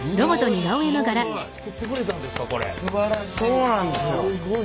そうなんですよ。